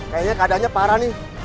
kayaknya keadaannya parah nih